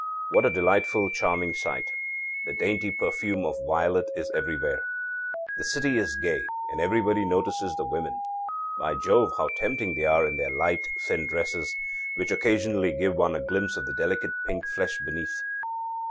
What a delightful, charming sight! The dainty perfume of violet is everywhere. The city is gay, and everybody notices the women. By Jove, how tempting they are in their light, thin dresses, which occasionally give one a glimpse of the delicate pink flesh beneath!